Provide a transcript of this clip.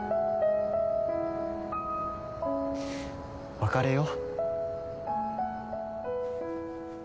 「別れよう」